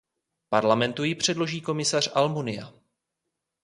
Parlamentu ji předloží komisař Almunia.